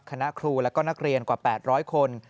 คณะครูและก็นักเรียนกว่า๘๐๐คน